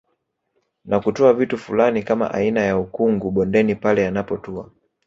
Na kutoa vitu fulani kama aina ya ukungu bondeni pale yanapotua